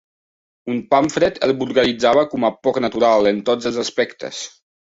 Un pamflet el vulgaritzava com a "poc natural" en tots els aspectes.